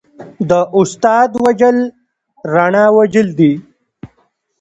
د استاد وژل رڼا وژل دي.